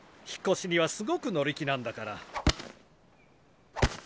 引っ越しにはすごく乗り気なんだから。